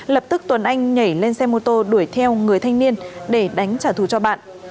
lập tức tuấn anh nhảy lên xe mô tô đuổi theo người thanh niên để đánh trả thù cho bạn